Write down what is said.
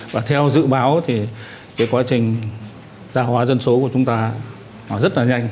và theo dự báo thì cái quá trình giảm hóa dân số của chúng ta nó rất là nhanh